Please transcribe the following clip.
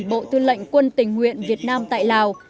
bộ tư lệnh quân tình nguyện việt nam tại lào